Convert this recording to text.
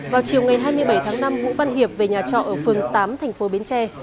vào chiều ngày hai mươi bảy tháng năm vũ văn hiệp về nhà trọ ở phường tám thành phố bến tre